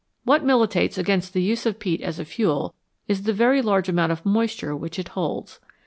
What militates against the use of peat as a fuel is the very large amount of moisture which it holds.